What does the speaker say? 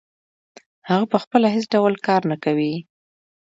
هغه پخپله هېڅ ډول کار نه کوي